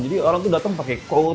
jadi orang tuh datang pake coat